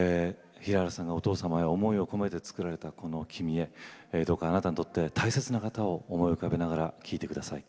平原さんのお父さんへの思いを込めて作られた、この「キミへ」どうかあなたにとって大切な方を思い浮かべながら聴いてください。